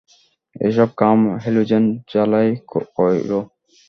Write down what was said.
এইসব কাম হ্যালোজেন জালায় কইরো।